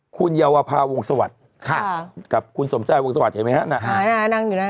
คุณเยาวปาวงสวัดกับคุณสมใสวงสวัดเห็นไหมครับ